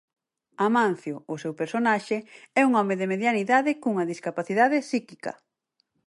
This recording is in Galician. Amancio, o seu personaxe, é un home de mediana idade cunha discapacidade psíquica.